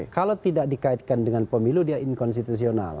kalau tidak dikaitkan dengan pemilu dia inkonstitusional